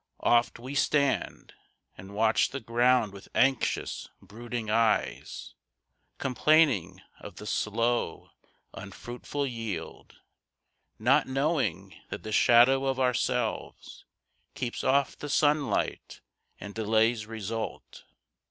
Oft we stand And watch the ground with anxious, brooding eyes, Complaining of the slow, unfruitful yield, Not knowing that the shadow of ourselves Keeps off the sunlight and delays result.